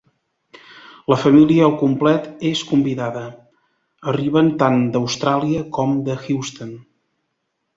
La família al complet és convidada: arriben tant d'Austràlia com de Houston.